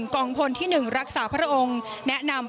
กองพลที่๑รักษาพระองค์แนะนำ